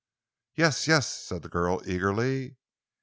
"Yes, yes," said the girl eagerly.